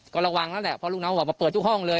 ก็ระวังแล้วแหละเพราะลูกน้องออกมาเปิดทุกห้องเลย